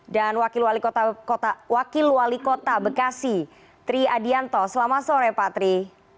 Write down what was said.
dan wakil wali kota bekasi tri adianto selamat sore pak tri